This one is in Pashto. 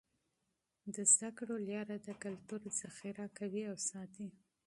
د تعلیم لاره د کلتور ذخیره کوي او ساتي.